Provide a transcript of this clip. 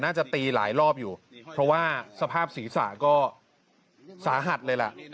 ตีหลายรอบอยู่เพราะว่าสภาพศีรษะก็สาหัสเลยล่ะ